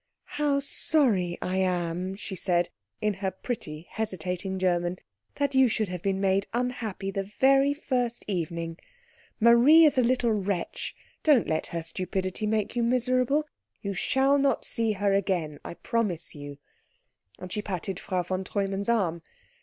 "How sorry I am," she said, in her pretty, hesitating German, "that you should have been made unhappy the very first evening. Marie is a little wretch. Don't let her stupidity make you miserable. You shall not see her again, I promise you." And she patted Frau von Treumann's arm.